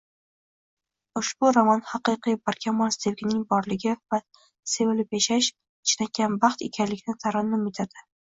Ushbu roman haqiqiy, barkamol sevgining borligi va sevilib yashash – chinakam baxt ekanligini tarannum etadi